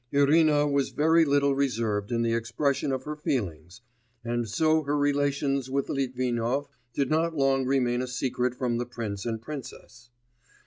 Irina was very little reserved in the expression of her feelings, and so her relations with Litvinov did not long remain a secret from the prince and princess.